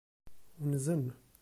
Unzen.